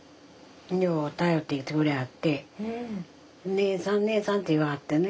姉さん姉さんって言わはってね